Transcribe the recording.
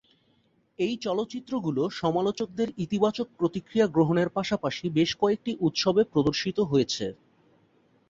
এই চলচ্চিত্রগুলো সমালোচকদের ইতিবাচক প্রতিক্রিয়া গ্রহণের পাশাপাশি বেশ কয়েকটি উৎসবে প্রদর্শিত হয়েছে।